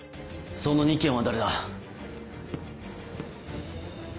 その２件は誰だ？